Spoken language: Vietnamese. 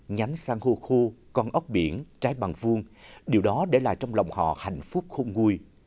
nhánh sang hô khô con ốc biển trái bằng vuông điều đó để lại trong lòng họ hạnh phúc khôn nguôi